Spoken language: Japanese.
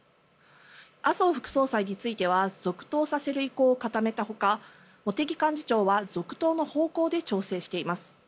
麻生副総裁については続投させる意向を固めた他茂木幹事長は続投の方向で調整しています。